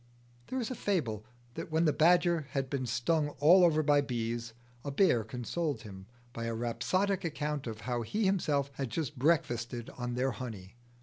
There is a fable that when the badger had been stung all over by bees, a bear consoled him by a rhapsodic account of how he himself had just breakfasted on their honey.